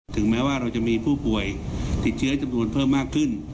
แม้ว่าเราจะมีผู้ป่วยติดเชื้อจำนวนเพิ่มมากขึ้น